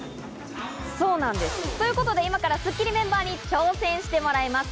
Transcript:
ということで、今から『スッキリ』メンバーに挑戦してもらいます。